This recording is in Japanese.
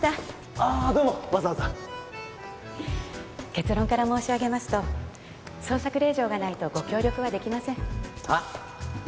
あっどうもわざわざ結論から申し上げますと捜索令状がないとご協力はできませんはあ？